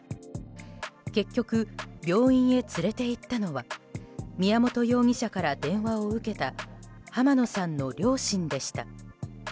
結局、病院へ連れて行ったのは宮本容疑者から電話を受けた浜野さんの両親でした。